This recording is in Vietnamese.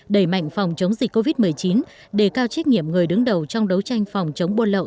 đẩy mạnh phòng chống dịch covid một mươi chín đề cao trách nhiệm người đứng đầu trong đấu tranh phòng chống buôn lậu